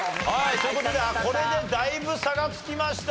という事でこれでだいぶ差がつきましたね。